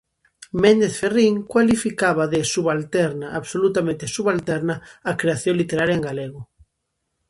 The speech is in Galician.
Méndez Ferrín cualificaba de "subalterna, absolutamente subalterna" a creación literaria en galego: